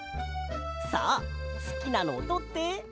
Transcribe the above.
さあすきなのをとって。